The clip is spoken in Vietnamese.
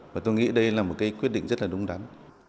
và tôi nghĩ đây là một quyết định rất đúng đắn